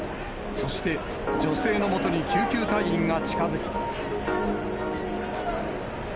そして、女性のもとに救急隊員が近づき。